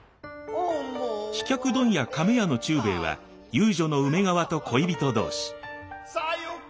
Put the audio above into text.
飛脚問屋亀屋の忠兵衛は遊女の梅川と恋人同士。